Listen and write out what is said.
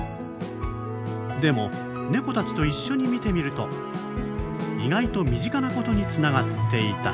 でもネコたちと一緒に見てみると意外と身近なことにつながっていた。